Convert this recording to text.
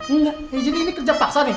enggak jadi ini kerja paksa nih